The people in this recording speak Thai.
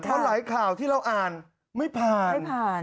เพราะหลายข่าวที่เราอ่านไม่ผ่าน